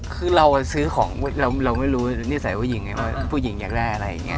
คือเราซื้อของเราไม่รู้นิสัยผู้หญิงไงว่าผู้หญิงอยากได้อะไรอย่างนี้